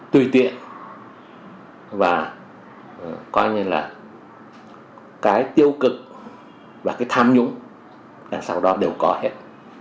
tùy tiện và coi như là cái tiêu cực và cái tham nhũng là sau đó đều có hết